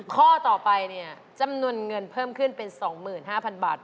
ข้อต่อไปเนี่ยจำนวนเงินเพิ่มขึ้นเป็น๒๕๐๐๐บาท